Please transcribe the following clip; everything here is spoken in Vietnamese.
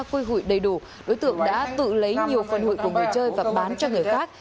khui hùi đầy đủ đối tượng đã tự lấy nhiều phần hùi của người chơi và bán cho người khác